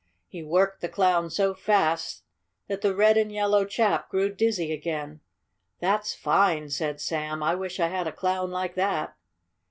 He worked the Clown so fast that the red and yellow chap grew dizzy again. "That's fine!" said Sam. "I wish I had a Clown like that."